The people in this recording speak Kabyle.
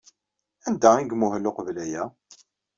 Anda ay imuhel uqbel aya?